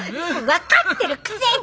分かってるくせに！